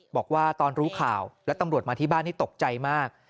บอกว่าตอนรู้ข่าวแล้วตำรวจมาที่บ้านนี่ตกใจมาก